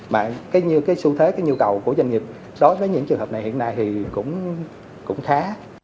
mà như cái xu thế cái nhu cầu của doanh nghiệp đối với những trường hợp này hiện nay thì cũng khá